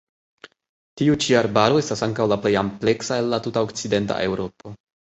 Tiu ĉi arbaro estas ankaŭ la plej ampleksa el la tuta okcidenta Eŭropo.